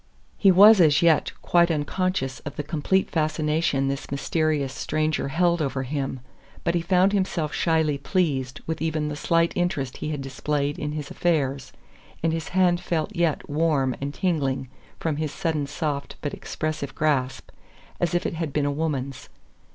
He was as yet quite unconscious of the complete fascination this mysterious stranger held over him, but he found himself shyly pleased with even the slight interest he had displayed in his affairs, and his hand felt yet warm and tingling from his sudden soft but expressive grasp, as if it had been a woman's.